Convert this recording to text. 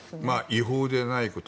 違法でないこと